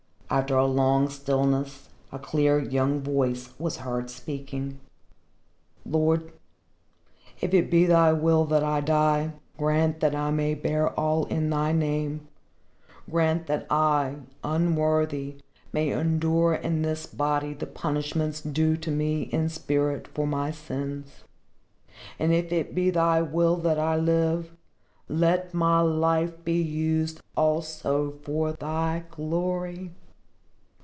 After a long stillness a clear young voice was heard speaking. "Lord, if it be Thy will that I die, grant that I may bear all in Thy name, grant that I, unworthy, may endure in this body the punishments due to me in spirit for my sins. And if it be Thy will that I live, let my life be used also for Thy glory."